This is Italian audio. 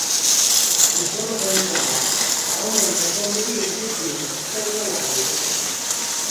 La sua notorietà aumenta quando dirige il film Stay Alive.